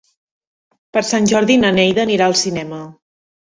Per Sant Jordi na Neida anirà al cinema.